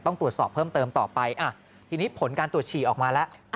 ต้องตรวจสอบเพิ่มเติมต่อไปทีนี้ผลการตรวจฉี่ออกมาแล้ว